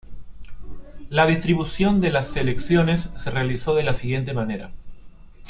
La distribución de las selecciones se realizó de la siguiente manera.